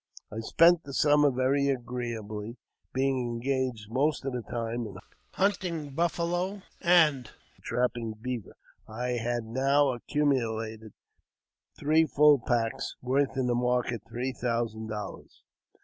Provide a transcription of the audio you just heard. I spent the summer very agreeably, being engaged most of the time in hunting buffalo and trapping beaver. I had now accumulated three full packs, worth in market three thousand dollars.